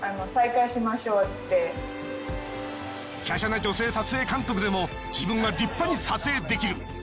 華奢な女性撮影監督でも自分は立派に撮影できる。